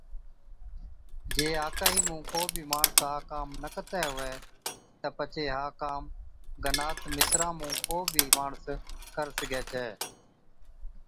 جي آڪهِي مُون ڪو بِي ماڻس ها ڪام نہ ڪتيَ هُوَي تہ پڇي ها ڪام گنات مِترا مُون ڪو بِي ماڻس ڪر سِگھَي ڇَي